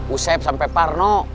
usep sampai parno